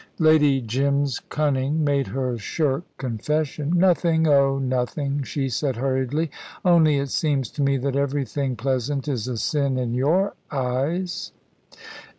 Lady Jim's cunning made her shirk confession. "Nothing oh, nothing," she said hurriedly; "only it seems to me that everything pleasant is a sin in your eyes."